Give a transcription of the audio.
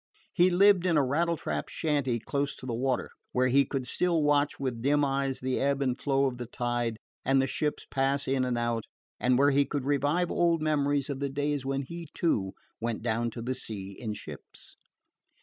He lived in a rattletrap shanty close to the water, where he could still watch with dim eyes the ebb and flow of the tide, and the ships pass out and in, and where he could revive old memories of the days when he, too, went down to the sea in ships.